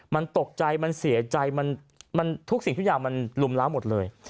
มันตกใจมันเสียใจมันทุกสิ่งทุกอย่างมันลุมล้าวหมดเลย